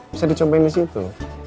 bisa dicobain di situ